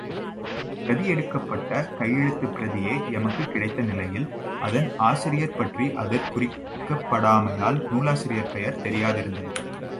பிரதியெடுக்கப்பட்ட கையெழுத்துப்பிரதியே எமக்குக் கிடைத்த நிலையில் அதன் ஆசிரியர் பற்றி அதிற் குறிக்கப்படாமையால் நூலாசிரியர் பெயர் தெரியாதிருந்தது.